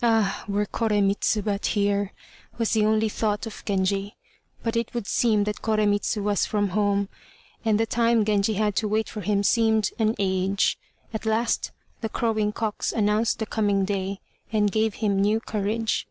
"Ah! were Koremitz but here," was the only thought of Genji; but it would seem that Koremitz was from home, and the time Genji had to wait for him seemed an age. At last the crowing cocks announced the coming day, and gave him new courage.